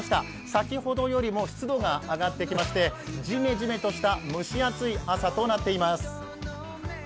先ほどよりも湿度が上がってきましてじめじめとした蒸し暑い朝となっています。